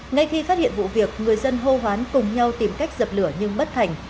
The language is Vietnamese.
ngay khi phát hiện vụ việc người dân hô hoán cùng nhau tìm cách dập lửa nhưng bất thành